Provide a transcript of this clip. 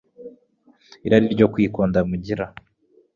irari ryo kwikunda mugira ?